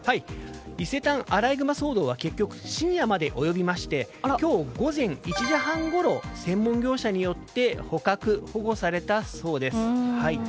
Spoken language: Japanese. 伊勢丹アライグマ騒動は結局、深夜まで及びまして今日午前１時半ごろ専門業者によって捕獲・保護されたそうです。